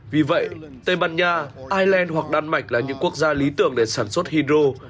vì vậy tây ban nha ireland hoặc đan mạch là những quốc gia lý tưởng để sản xuất hydro